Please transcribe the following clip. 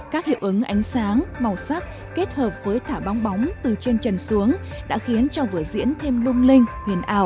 các hiệu ứng ánh sáng màu sắc kết hợp với thả bóng bóng từ trên trần xuống đã khiến cho vở diễn thêm lung linh huyền ảo